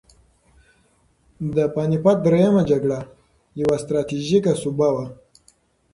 د پاني پت درېیمه جګړه یوه ستراتیژیکه سوبه وه.